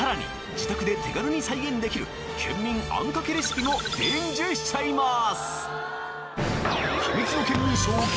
自宅で手軽に再現できる県民あんかけレシピも伝授しちゃいます！